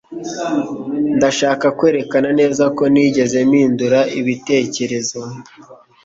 Ndashaka kwerekana neza ko ntigeze mpindura ibitekerezo